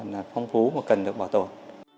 rất là phong phú mà cần được bảo tồn